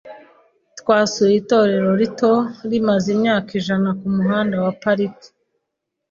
Twasuye itorero rito, rimaze imyaka ijana kumuhanda wa Park .